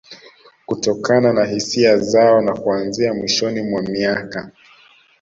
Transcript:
Kutokana na hisia zao na kuanzia mwishoni mwa miaka